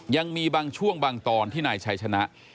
ยังมีบางช่วงบางตอนที่นายชัยชนะ